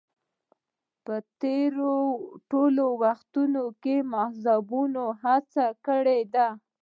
په تېرو ټولو وختونو کې مذهبیونو هڅه کړې ده